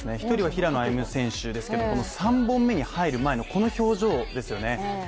１人は平野歩夢選手ですけれども３本目に入る前のこの表情ですよね。